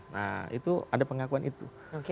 nah itu ada pengakuan itu